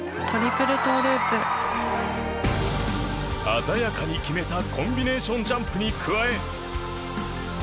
鮮やかに決めたコンビネーションジャンプに加え。